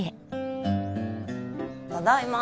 ただいま。